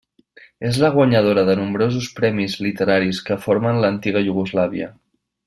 És la guanyadora de nombrosos premis literaris que formen l'antiga Iugoslàvia.